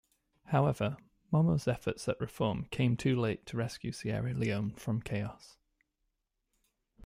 However, Momoh's efforts at reform came too late to rescue Sierra Leone from chaos.